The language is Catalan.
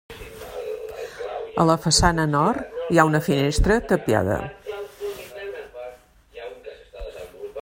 A la façana nord hi ha una finestra tapiada.